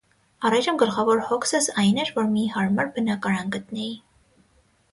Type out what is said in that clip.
Առայժմ գլխավոր հոգսս այն էր, որ մի հարմար բնակարան գտնեի: